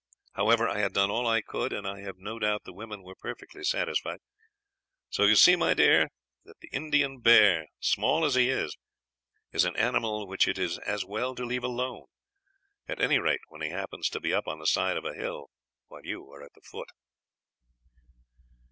However, I had done all I could and I have no doubt the women were perfectly satisfied. So you see, my dear, that the Indian bear, small as he is, is an animal which it is as well to leave alone, at any rate when he happens to be up on the side of a hill while you are at the foot."